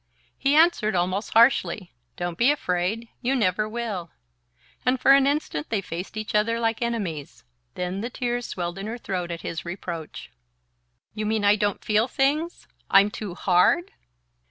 He answered almost harshly: "Don't be afraid ... you never will..." and for an instant they faced each other like enemies. Then the tears swelled in her throat at his reproach. "You mean I don't feel things I'm too hard?"